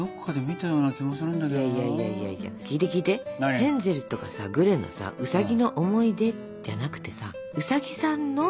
ヘンゼルとかさグレのさウサギの思い出じゃなくてさ「ウサギさんの」